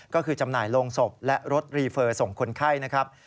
ก็คือจำหน่ายโรงศพและรถรีเฟอร์ส่งคนไข้นะครับ